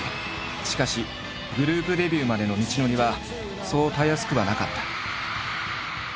しかしグループデビューまでの道のりはそうたやすくはなかった。